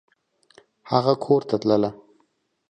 هغه کورته تلله !